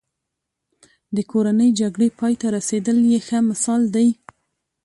د کورنۍ جګړې پای ته رسېدل یې ښه مثال دی.